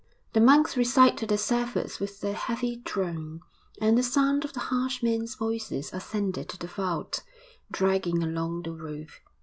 The monks recited the service with their heavy drone, and the sound of the harsh men's voices ascended to the vault, dragging along the roof.